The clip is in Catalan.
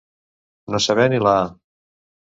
No saber ni la «a».